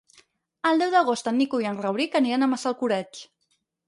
El deu d'agost en Nico i en Rauric aniran a Massalcoreig.